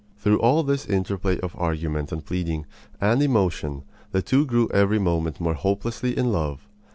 Through all this interplay of argument and pleading and emotion the two grew every moment more hopelessly in love.